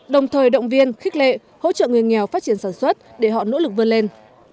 đồng thời động viên khích lệ hỗ trợ người nghèo phát triển sản xuất để họ nỗ lực vươn lên